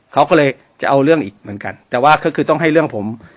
เขาก็เลยจะเอาเรื่องอีกเหมือนกันแต่ว่าก็คือต้องให้เรื่องผม